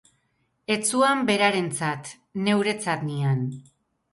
Ez zuan berarentzat, neuretzat nian.